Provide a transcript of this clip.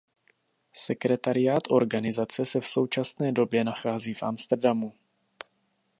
Sekretariát organizace se v současné době nachází v Amsterdamu.